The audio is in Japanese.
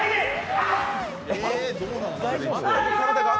あ！